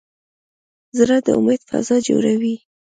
زړه د امید فضا جوړوي.